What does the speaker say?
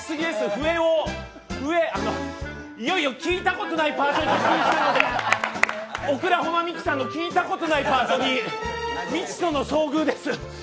笛を笛あのいよいよ聴いたことないパートに「オクラホマミキサー」の聞いたことないパートに、未知との遭遇です。